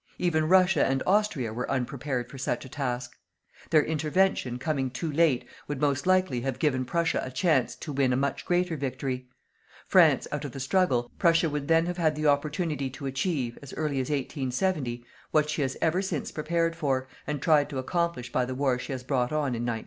Even Russia and Austria were unprepared for such a task. Their intervention, coming too late, would most likely have given Prussia a chance to win a much greater victory. France out of the struggle, Prussia would then have had the opportunity to achieve, as early as 1870, what she has ever since prepared for, and tried to accomplish by the war she has brought on in 1914.